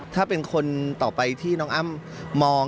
ถ้าเป็นคนต่อไปที่น้องอ้ำมอง